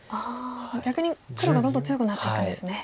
逆に黒がどんどん強くなっていくんですね。